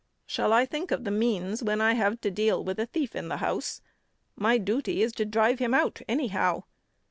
Shall I think of the means when I have to deal with a thief in the house? My duty is to drive him out anyhow.